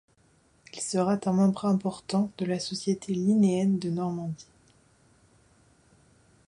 Il y sera un membre important de la Société Linnéenne de Normandie.